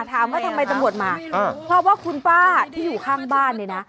ถามว่าทำไมตำรวจมาเพราะว่าคุณป้าที่อยู่ข้างบ้านเนี่ยนะ